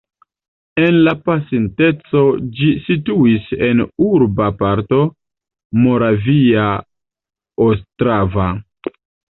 En la pasinteco ĝi situis en urba parto Moravia Ostrava.